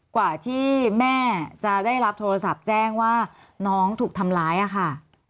กว่าที่แม่จะได้รับโทรศัพท์แจ้งว่าน้องถูกทำร้ายค่ะ